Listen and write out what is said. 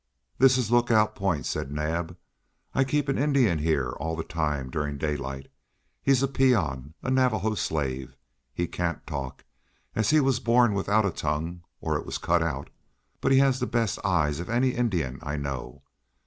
"This is Lookout Point," said Naab. "I keep an Indian here all the time during daylight. He's a peon, a Navajo slave. He can't talk, as he was born without a tongue, or it was cut out, but he has the best eyes of any Indian I know.